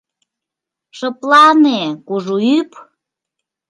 Шыплане, кужу ӱп!